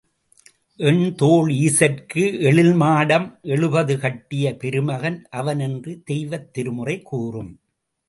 எண்தோள் ஈசற்கு எழில் மாடம் எழுபது கட்டிய பெருமகன் அவன் என்று தெய்வத் திருமுறை கூறும்.